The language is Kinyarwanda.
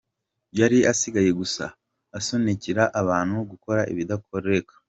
Yari asigaye gusa asunikira abantu gukora ibidakoreka.